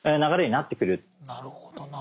なるほどなあ。